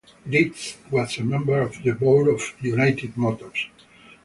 Deeds was a member of the board of United Motors.